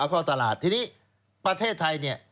เอาเข้าตลาดทีนี้ประเทศไทย